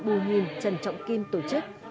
hồ nguyên trần trọng kim tổ chức